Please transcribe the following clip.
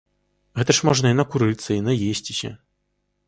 Гэта ж можна й накурыцца, й наесціся.